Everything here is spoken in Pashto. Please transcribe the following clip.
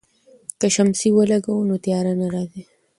که شمسی ولګوو نو تیاره نه راځي.